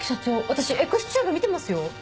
私エクスチューブ見てますよ。